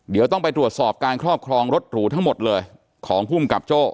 เดี๋ยวต้องไปตรวจสอบการครอบครองรถหรูทั้งหมดเลยของภูมิกับโจ้